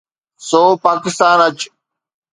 سو پاڪستان اچ.